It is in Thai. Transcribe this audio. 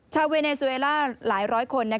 เวเนซูเอล่าหลายร้อยคน